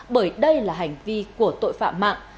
bởi đây là hành vi của tội phạm mạng